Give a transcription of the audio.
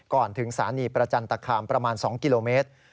ก่อนถึงสถานีประจันตคามประมาณ๒กิโลเมตร